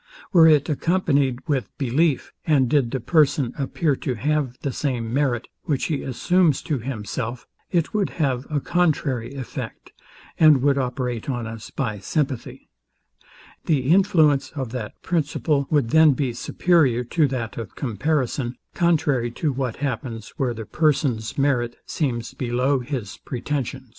Were it accompanied with belief, and did the person appear to have the same merit, which he assumes to himself, it would have a contrary effect, and would operate on us by sympathy. The influence of that principle would then be superior to that of comparison, contrary to what happens where the person's merit seems below his pretensions. Book II. Part II.